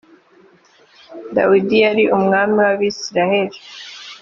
dawidi yari umwami w’ abisiraheli